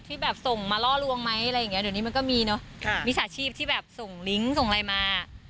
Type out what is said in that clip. ที่แบบส่งมาล่อลวงไหมอะไรอย่างเงี้เดี๋ยวนี้มันก็มีเนอะค่ะมิจฉาชีพที่แบบส่งลิงก์ส่งอะไรมา